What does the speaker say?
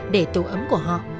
để tổ ấm của họ